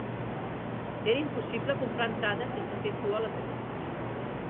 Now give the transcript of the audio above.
Era impossible comprar entrades sense fer cua a la taquilla.